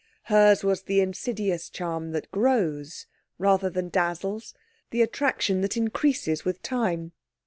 Hers was the insidious charm that grows rather than dazzles, the attraction that increases with time.